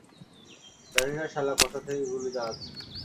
জানি না শালা কোথা থেকে গুলি চালাচ্ছে।